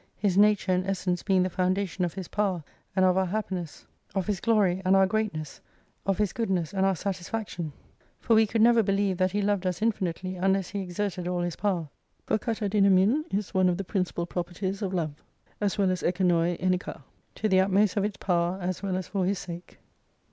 His nature and essence being the foundation of His power, and of our happiness : of 137 His glory and our greatness : of His goodness, and our satisfaction. For we could never believe that He loved us infinitely unless He exerted all His power. For Kara Avvafxiv is one of the principal properties of Love : as well as iKdvov (vena. To the utmost of its power, as well as for His sake.